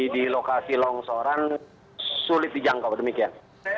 di lokasi longsoran sulit dijangkau demikian